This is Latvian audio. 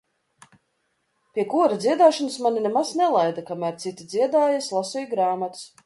Pie kora dziedāšanas mani nemaz nelaida kamēr citi dziedāja es lasīju grāmatas.